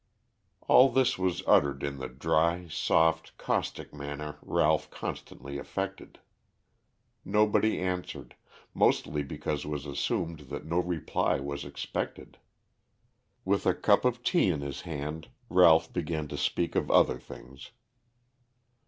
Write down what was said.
All this was uttered in the dry, soft, caustic manner Ralph constantly affected. Nobody answered, mostly because it was assumed that no reply was expected. With a cup of tea in his hand Ralph began to speak of other things.